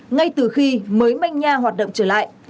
ngay từ khi mới manh nha hoạt động trở lại